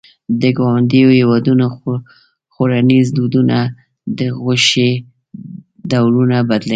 د ګاونډیو هېوادونو خوړنيز دودونه د غوښې ډولونه بدلوي.